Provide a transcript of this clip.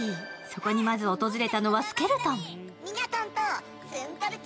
そこにまず訪れたのはスケルトン。